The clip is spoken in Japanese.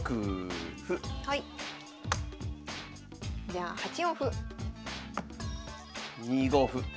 じゃあ８四歩。